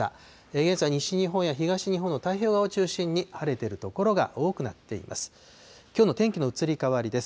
現在、西日本や東日本の太平洋側を中心に、晴れてる所が多くなっています。